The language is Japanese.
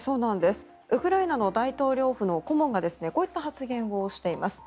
ウクライナの大統領府の顧問がこういった発言をしています。